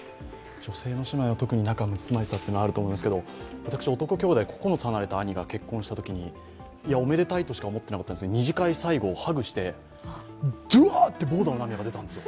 女性の姉妹は特に仲むつまじさというのは感じますけど私、男兄弟、９つ離れた兄が結婚したときに、おめでたいとしか思っていなかったんですけど、二次会の最後でハグして、ドーッと涙が出たんですよ。